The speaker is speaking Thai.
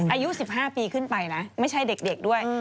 อายุ๑๕ปีขึ้นไปนะไม่ใช่เด็กด้วย